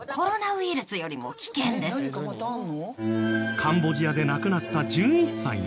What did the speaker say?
カンボジアで亡くなった１１歳の少女。